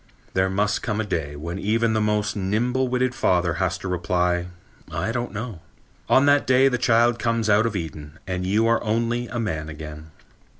There must come a day when even the most nimble witted father has to reply, "I don't know." On that day the child comes out of Eden and you are only a man again.